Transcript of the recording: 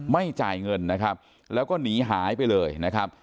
ไม่จ่ายเงินนะครับแล้วก็หนีหายไปเลยนะครับ